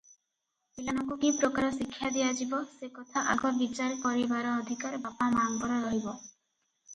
ପିଲାମାନଙ୍କୁ କି ପ୍ରକାର ଶିକ୍ଷା ଦିଆଯିବ, ସେକଥା ଆଗ ବିଚାର କରିବାର ଅଧିକାର ବାପମାଙ୍କର ରହିବ ।